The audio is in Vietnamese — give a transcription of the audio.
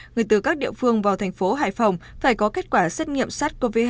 người từ các địa phương vào thành phố hải phòng phải có kết quả xét nghiệm sát covid một mươi chín